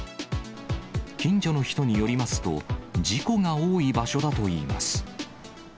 近所の人によりますと、事故が多い場所だといいます。